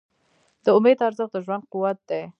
د امید ارزښت د ژوند قوت دی.